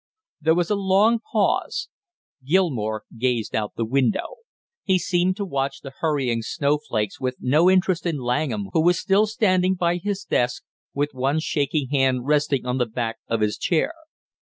There was a long pause. Gilmore gazed out the window. He seemed to watch the hurrying snowflakes with no interest in Langham who was still standing by his desk, with one shaking hand resting on the back of his chair.